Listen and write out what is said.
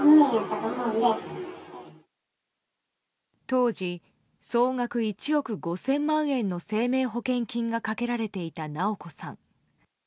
当時、総額１億５０００万円の生命保険金がかけられていた直子さん。